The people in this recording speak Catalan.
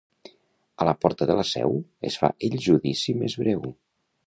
A la porta de la seu, es fa el judici més breu.